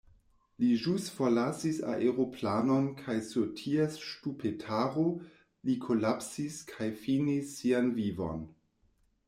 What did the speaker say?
Li ĵus forlasis aeroplanon kaj sur ties ŝtupetaro li kolapsis kaj finis sian vivon.